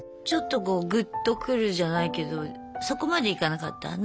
ちょっとこうぐっと来るじゃないけどそこまでいかなかった？